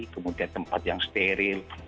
kemudian tempat yang steril